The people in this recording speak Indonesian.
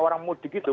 orang mudik itu